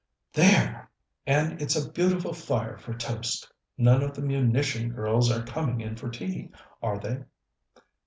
"There! and it's a beautiful fire for toast. None of the munition girls are coming in for tea, are they?"